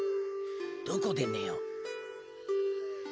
どこでねよう。